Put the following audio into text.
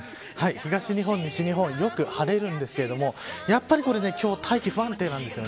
東日本、西日本よく晴れるんですけれどもやっぱり今日は大気が不安定なんです。